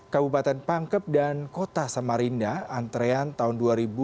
kabupaten pangkep dan kota samarinda antrean tahun dua ribu dua puluh